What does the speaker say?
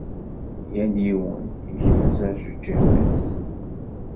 Yal yiwen ikmez ajeǧǧiḍ-is.